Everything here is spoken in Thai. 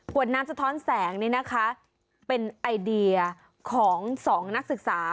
วดน้ำสะท้อนแสงนี่นะคะเป็นไอเดียของสองนักศึกษา